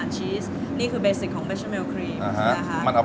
จริงอันเนี่ยเราเรียกมันว่ากลีกลาซันยาก